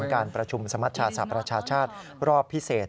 การประชุมสมัชชาสหประชาชาติรอบพิเศษ